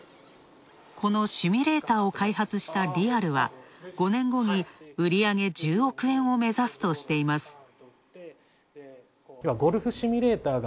このシミュレーターを開発したリアルは５年後に売り上げ１０億円を目指すとしています。